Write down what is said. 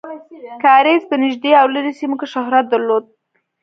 کاریز په نږدې او لرې سیمو کې شهرت درلود.